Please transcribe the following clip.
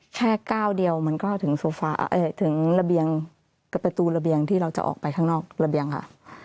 แค่ก้าวเดียวมันก็ถึงระเบียงกับประตูระเบียงที่เราจะออกไปข้างนอกระเบียงค่ะ